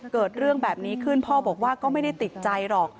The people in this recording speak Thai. เกิดเรื่องแบบนี้ขึ้นพ่อบอกว่าก็ไม่ได้ติดใจหรอก